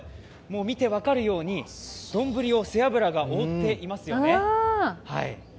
見て分かるように丼を背脂が覆っていますよね。